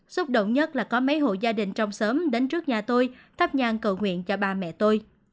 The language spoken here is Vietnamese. xúc động nhất là có mấy hộ gia đình trong sớm đến trước nhà tôi thắp nhan cầu nguyện cho bà mẹ tôi